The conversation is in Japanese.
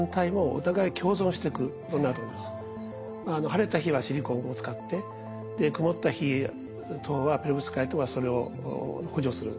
晴れた日はシリコンを使って曇った日等はペロブスカイトがそれを補助する。